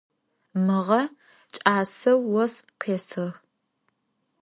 Mığe ç'aseu vos khêsığ.